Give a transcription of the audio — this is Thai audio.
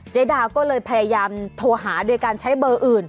ดาวก็เลยพยายามโทรหาโดยการใช้เบอร์อื่น